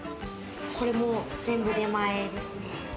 これも全部出前ですね。